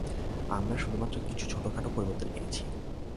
আমরা শুধুমাত্র কিছু ছোট-খাটো পরিবর্তন এনেছি।